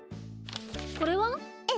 これは？え？